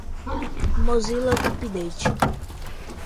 mozilla update